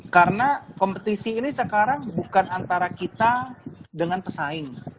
karena kompetisi ini sekarang bukan antara kita dengan pesaing